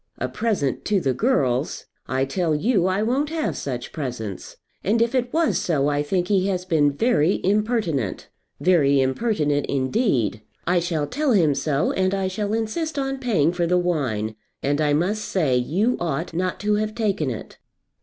"A present to the girls? I tell you I won't have such presents. And if it was so, I think he has been very impertinent, very impertinent indeed. I shall tell him so, and I shall insist on paying for the wine. And I must say, you ought not to have taken it."